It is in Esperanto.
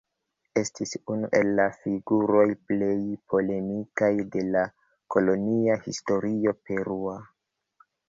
Estis unu el la figuroj plej polemikaj de la kolonia historio perua.